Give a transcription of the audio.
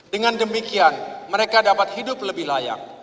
dengan demikian mereka dapat hidup lebih layak